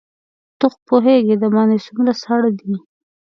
ته خو پوهېږې دباندې څومره ساړه دي.